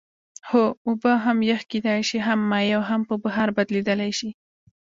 هو اوبه هم یخ کیدای شي هم مایع او هم په بخار بدلیدلی شي